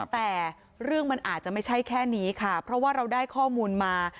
แต่เรื่องมันอาจจะไม่ใช่แค่นี้ค่ะเพราะว่าเราได้ข้อมูลมา